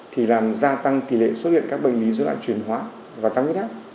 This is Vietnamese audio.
thì làm gia tăng tỷ lệ xuất hiện các bệnh lý dưới đoạn truyền hóa và tăng ít hát